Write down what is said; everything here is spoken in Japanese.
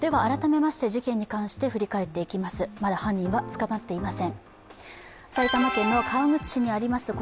まだ犯人は捕まっていません。